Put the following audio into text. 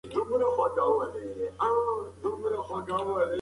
د ملکیار هوتک په کلام کې د صداقت او پاکې مینې غږ دی.